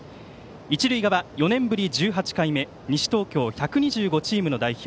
一塁側、４年ぶり１８回目西東京１２５チームの代表